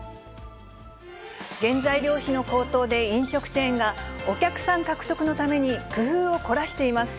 原材料費の高騰で、飲食チェーンが、お客さん獲得のために工夫を凝らしています。